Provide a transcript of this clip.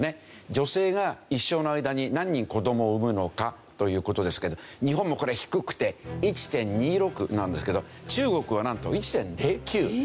女性が一生の間に何人子どもを産むのかという事ですけど日本もこれ低くて１．２６なんですけど中国はなんと１．０９。